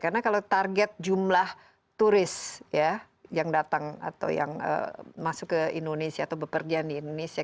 karena kalau target jumlah turis ya yang datang atau yang masuk ke indonesia atau bepergian di indonesia